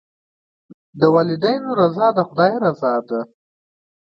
د والدینو رضا د خدای رضا ده.